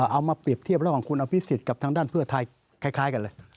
เอามาเปรียบเทียบระหว่างคุณอภิษฎกับทางด้านเพื่อไทยคล้ายกันเลย